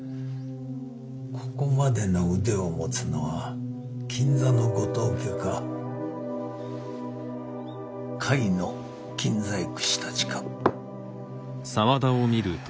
ここまでの腕を持つのは金座の後藤家か甲斐の金細工師たちか。